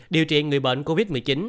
điều trị người bệnh covid một mươi chín